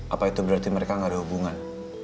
apa itu berarti mereka nggak ada hubungan